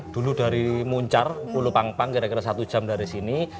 dulu dari muncar pulau pangpang kira kira satu jam dari sini